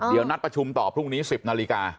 เดี๋ยวนัดประชุมต่อพรุ่งนี้๑๐นาฬิกา